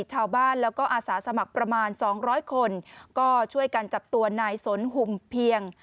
ชาวบ้านแล้วก็อาสาสมัครประมาณ๒๐๐คนก็ช่วยกันจับตัวนายสนหุมเพียง